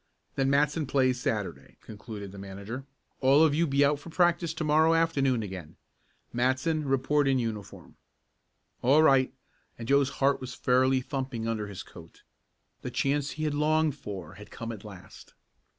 "Then Matson plays Saturday," concluded the manager. "All of you be out for practice to morrow afternoon again. Matson, report in uniform." "All right," and Joe's heart was fairly thumping under his coat. The chance he had longed for had come at last.